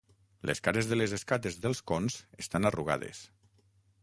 Les cares de les escates dels cons estan arrugades.